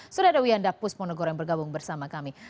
sudara wiyanda pusmonogor yang bergabung bersama kami